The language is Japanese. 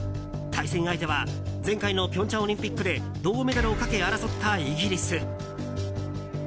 対戦相手は前回の平昌オリンピックで銅メダルをかけ争ったイギリス。